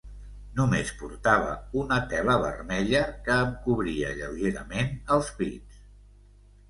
Només portava una tela vermella que em cobria lleugerament els pits.